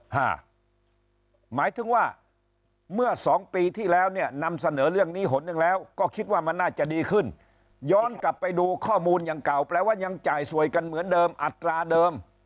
หมายถึงว่าเมื่อสองปีที่แล้วเนี่ยนำเสนอเรื่องนี้หนหนึ่งแล้วก็คิดว่ามันน่าจะดีขึ้นย้อนกลับไปดูข้อมูลอย่างเก่าแปลว่ายังจ่ายสวยกันเหมือนเดิมอัตราเดิม